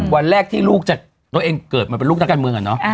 วันแรกที่ลูกจะตัวเองเกิดมาเป็นลูกนักการเมืองอะเนาะ